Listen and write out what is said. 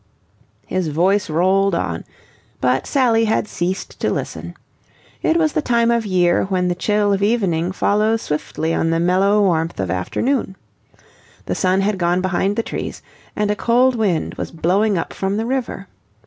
His voice rolled on, but Sally had ceased to listen. It was the time of year when the chill of evening follows swiftly on the mellow warmth of afternoon. The sun had gone behind the trees, and a cold wind was blowing up from the river.